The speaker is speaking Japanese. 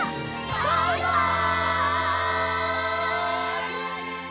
バイバイ！